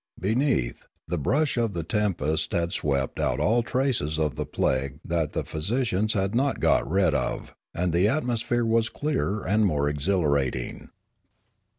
Beneath, the brush of the tempest had swept out all traces of the plague that the physi cians had not got rid of, and the atmosphere was clearer and more exhilarating.